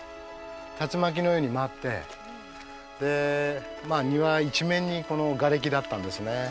竜巻のように舞ってで庭一面にこのがれきだったんですね。